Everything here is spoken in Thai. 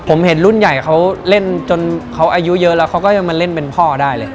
ผมเห็นรุ่นใหญ่เขาเล่นจนเขาอายุเยอะแล้วเขาก็ยังมาเล่นเป็นพ่อได้เลย